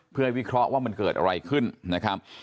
เพื่อให้วิเคราะห์ว่ามันเกิดอะไรขึ้นนะครับ